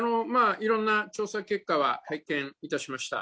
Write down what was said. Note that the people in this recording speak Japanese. いろんな調査結果は拝見いたしました。